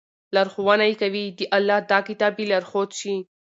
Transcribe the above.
لارښوونه ئې كوي، د الله دا كتاب ئې لارښود شي